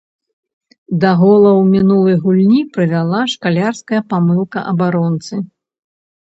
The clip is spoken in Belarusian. Да гола ў мінулай гульні прывяла шкалярская памылка абаронцы.